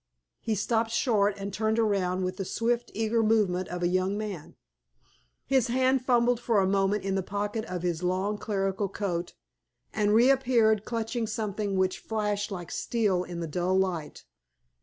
He stopped short and turned round with the swift, eager movement of a young man. His hand fumbled for a moment in the pocket of his long clerical coat, and reappeared clutching something which flashed like steel in the dull light.